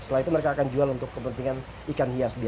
setelah itu mereka akan jual untuk kepentingan ikan hias